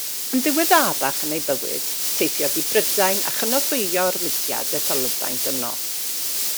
Yn ddiweddarach yn ei bywyd, teithiodd i Brydain a chynorthwyo'r mudiad etholfraint yno.